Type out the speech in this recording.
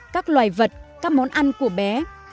các loài vật các món ăn của bé